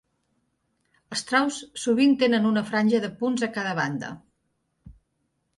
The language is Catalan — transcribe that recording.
Els traus sovint tenen una franja de punts a cada banda.